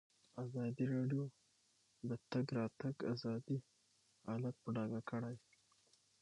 ازادي راډیو د د تګ راتګ ازادي حالت په ډاګه کړی.